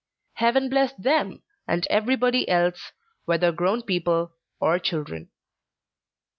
Heaven bless them, and everybody else, whether grown people or children!